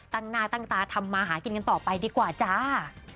ตั้งหน้าตั้งตาทำมาหากินกันต่อไปดีกว่าจ้า